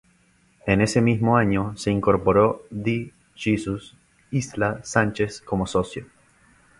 En ese mismo año se incorporó D. Jesús Isla Sánchez como socio.